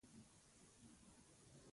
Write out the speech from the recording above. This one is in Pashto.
د مړي تابوت خاورو ته وسپارل شو.